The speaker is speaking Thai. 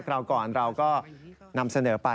ราวก่อนเราก็นำเสนอไป